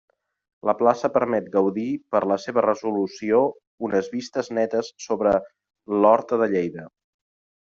La plaça permet gaudir, per la seva resolució unes vistes netes sobre l'horta de Lleida.